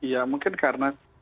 ya mungkin karena